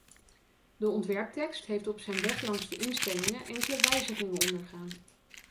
De ontwerptekst heeft op zijn weg langs de instellingen enkele wijzigingen ondergaan.